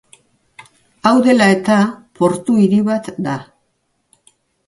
Hau dela eta portu-hiri bat da.